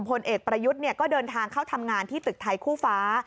พลเอกประยุทธ์ก็เดินทางเข้าทำงานที่ตึกไทยคู่ฟ้า